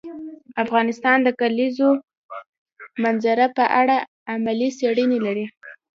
افغانستان د د کلیزو منظره په اړه علمي څېړنې لري.